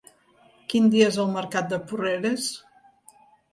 Quin dia és el mercat de Porreres?